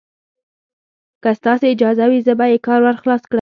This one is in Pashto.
که ستاسې اجازه وي، زه به یې کار ور خلاص کړم.